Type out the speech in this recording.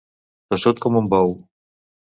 Tossut com un bou.